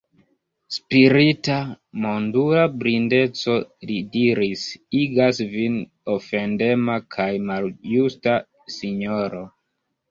Spirita, mondula blindeco, li diris, igas vin ofendema kaj maljusta, sinjoro.